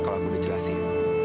kalau aku udah jelasin